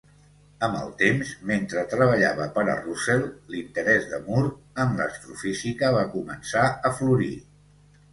Amb el temps, mentre treballava per a Russell, l'interès de Moore en l'astrofísica va començar a florir.